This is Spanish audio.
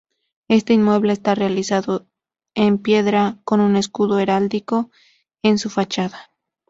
Este inmueble estaba realizado en piedra, con un escudo heráldico en su fachada.